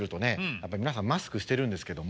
やっぱり皆さんマスクしてるんですけども。